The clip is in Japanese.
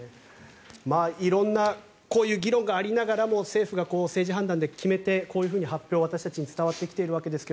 色んなこういう議論がありながらも政府が政治判断で決めてこういう発表が私たちに伝わってきているわけですが